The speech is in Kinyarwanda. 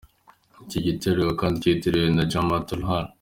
Ico gitero kandi ciyitiriwe na Jamaat-ul-Ahrar.